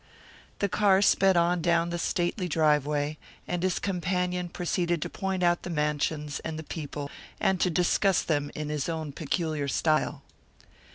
The car sped on down the stately driveway, and his companion proceeded to point out the mansions and the people, and to discuss them in his own peculiar style.